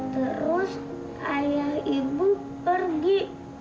terus ayah ibu pergi